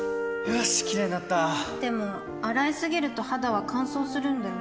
よしキレイになったでも、洗いすぎると肌は乾燥するんだよね